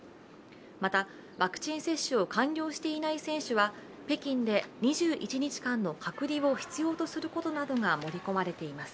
また、ワクチン接種を完了していない選手は北京で２１日間の隔離を必要とすることなどが盛り込まれています。